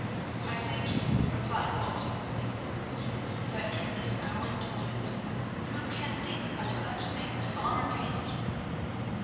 "I thank you," replied Wulf simply; "but, in this hour of torment, who can think of such things as honour gained?"